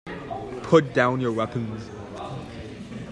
Put down your weapons.